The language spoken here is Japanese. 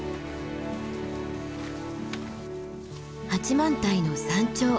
八幡平の山頂。